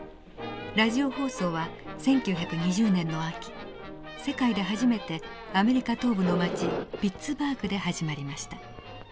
ラジオ放送は１９２０年の秋世界で初めてアメリカ東部の町ピッツバーグで始まりました。